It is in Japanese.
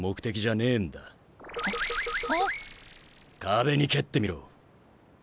壁に蹴ってみろ。